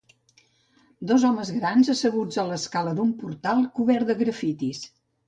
Dos homes grans asseguts a l'escala d'un portal cobert de grafitis.